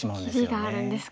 切りがあるんですか。